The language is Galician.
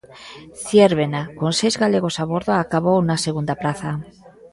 Ziérbena, con seis galegos a bordo, acabou na segunda praza.